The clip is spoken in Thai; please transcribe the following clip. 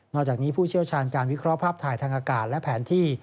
จากนี้ผู้เชี่ยวชาญการวิเคราะห์ภาพถ่ายทางอากาศและแผนที่